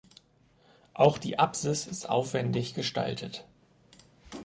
Auch die Apsis ist aufwendig gestaltet.